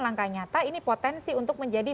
langkah nyata ini potensi untuk menjadi